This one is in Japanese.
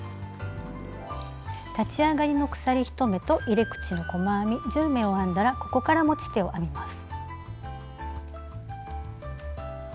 立ち上がりの鎖１目と入れ口の細編み１０目を編んだらここから持ち手を編みます。